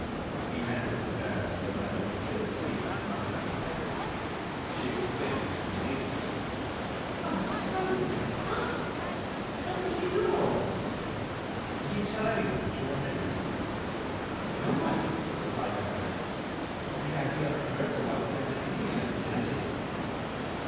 He handed to the baroness the letter that he had received from Arsène Lupin. She exclaimed, in amazement: "Arsène Lupin! How could he know?" "Did you tell anyone that you had written to me?" "No one," replied the baron. "The idea occurred to us the other evening at the dinner table."